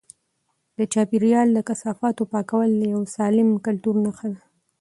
د چاپیریال د کثافاتو پاکول د یو سالم کلتور نښه ده.